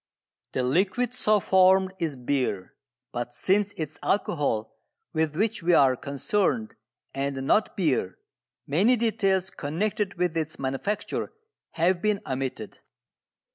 The liquid so formed is beer. But since it is alcohol with which we are concerned, and not beer, many details connected with its manufacture have been omitted.